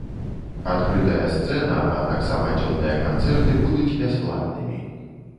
Адкрытая сцэна, а таксама дзённыя канцэрты будуць бясплатнымі.